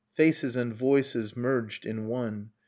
Faces and voices merged in one.